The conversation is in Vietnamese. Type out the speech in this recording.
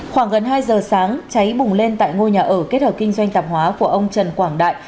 khoảng gần hai giờ sáng cháy bùng lên tại ngôi nhà ở kết hợp kinh doanh tạp hóa của ông trần quảng đại